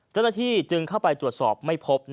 เจ้าหน้าที่จึงเข้าไปตรวจสอบไม่พบ